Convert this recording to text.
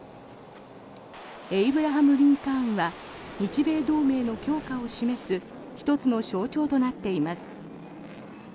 「エイブラハム・リンカーン」は日米同盟の強化を示す１つの象徴となっています。